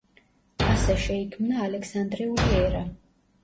ასე შეიქმნა ალექსანდრიული ერა.